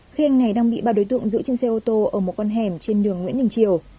khi anh này đang bị ba đối tượng giữ trên xe ô tô ở một con hẻm trên đường nguyễn đình triều